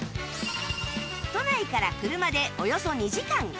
都内から車でおよそ２時間